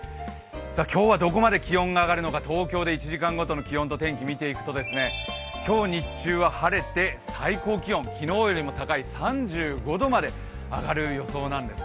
今日はどこまで気温が上がるのか東京で１時間ごとの気温と天気を見ていくと、今日日中は晴れて最高気温、昨日より高い３５度まで上がる予想なんです。